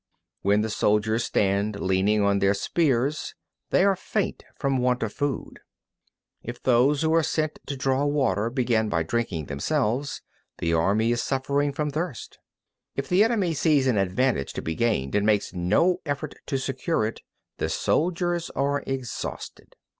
29. When the soldiers stand leaning on their spears, they are faint from want of food. 30. If those who are sent to draw water begin by drinking themselves, the army is suffering from thirst. 31. If the enemy sees an advantage to be gained and makes no effort to secure it, the soldiers are exhausted.